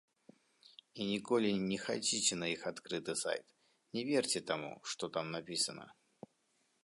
І ніколі не хадзіце на іх адкрыты сайт, не верце таму, што там напісана.